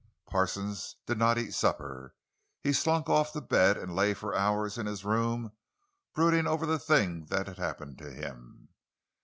Parsons did not eat supper; he slunk off to bed and lay for hours in his room brooding over the thing that had happened to him.